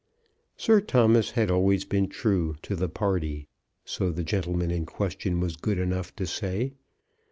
Sir Thomas had always been true "to the party," so the gentleman in question was good enough to say.